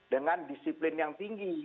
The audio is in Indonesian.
dengan disiplin yang tinggi